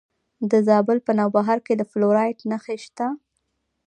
د زابل په نوبهار کې د فلورایټ نښې شته.